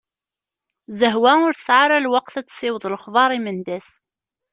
Zehwa ur tesɛi ara lweqt ad tessiweḍ lexbar i Mendas.